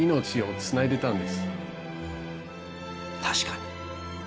確かに。